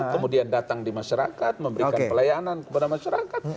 kemudian datang di masyarakat memberikan pelayanan kepada masyarakat